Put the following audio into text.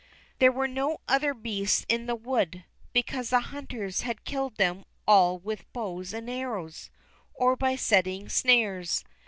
There were no other beasts in the wood, because the hunters had killed them all with bows and arrows, or by setting snares.